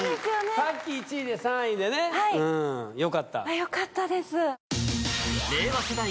さっき１位で３位でねうんよかったよかったです